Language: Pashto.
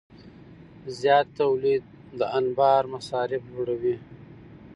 زیات تولید د انبار مصارف لوړوي.